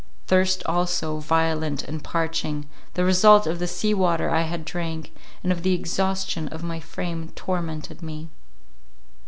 Thirst also, violent and parching, the result of the sea water I had drank, and of the exhaustion of my frame, tormented me.